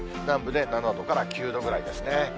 南部で７度から９度ぐらいですね。